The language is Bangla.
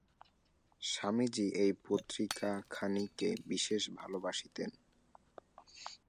স্বামীজী এই পত্রিকাখানিকে বিশেষ ভালবাসিতেন।